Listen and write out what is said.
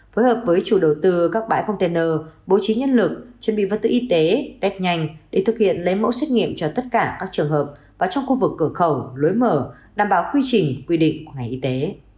phối hợp với chủ đầu tư các bãi container bố trí nhân lực chuẩn bị vật tư y tế test nhanh để thực hiện lấy mẫu xét nghiệm cho tất cả các trường hợp và trong khu vực cửa khẩu lối mở đảm bảo quy trình quy định của ngành y tế